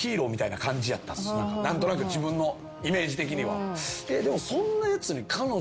何となく自分のイメージ的には。でも。